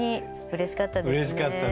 うれしかったね。